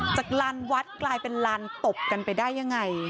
ลานวัดกลายเป็นลานตบกันไปได้ยังไง